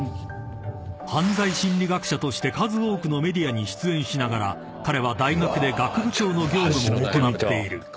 ［犯罪心理学者として数多くのメディアに出演しながら彼は大学で学部長の業務も行っている］